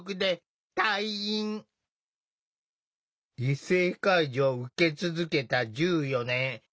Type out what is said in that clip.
異性介助を受け続けた１４年。